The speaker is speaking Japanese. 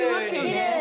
きれい！